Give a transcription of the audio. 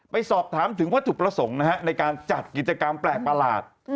ไปสอบถามถึงวัตถุประสงค์นะฮะในการจัดกิจกรรมแปลกประหลาด